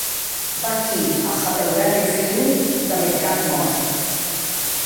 Vaquí a Huckleberry Finn damb eth gat mòrt.